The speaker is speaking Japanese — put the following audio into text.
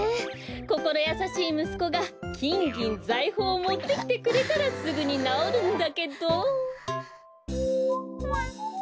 こころやさしいむすこがきんぎんざいほうをもってきてくれたらすぐになおるんだけど。